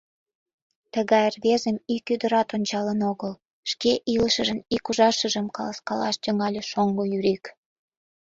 Тыгай рвезым ик ӱдырат ончалын огыл, — шке илышыжын ик ужашыжым каласкалаш тӱҥале шоҥго Юрик.